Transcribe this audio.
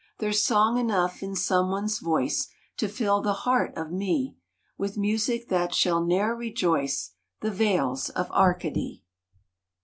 There s song enough in Some One s voice To fill the Heart of me With music that shall ne er rejoice The vales of Arcady